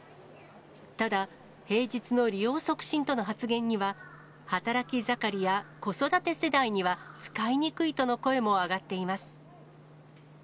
ただ、平日の利用促進との発言には、働き盛りや子育て世代には使いにくいとの声も上がっています。